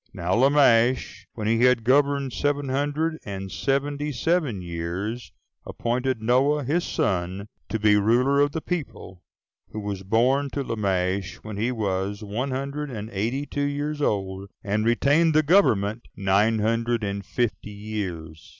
Now Lamech, when he had governed seven hundred and seventy seven years, appointed Noah, his son, to be ruler of the people, who was born to Lamech when he was one hundred and eighty two years old, and retained the government nine hundred and fifty years.